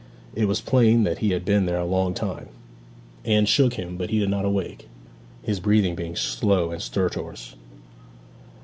It was plain that he had been there a long time. Anne shook him, but he did not awake, his breathing being slow and stertorous.